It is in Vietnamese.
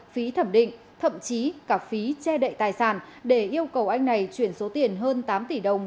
phí thẩm định thậm chí cả phí che đậy tài sản để yêu cầu anh này chuyển số tiền hơn tám tỷ đồng